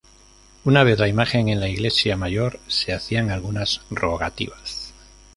Una vez la Imagen en la Iglesia Mayor, se hacían algunas rogativas.